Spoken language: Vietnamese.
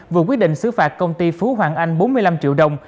vừa quyết định xứ phạt công ty phú hoàng anh bốn mươi năm triệu đồng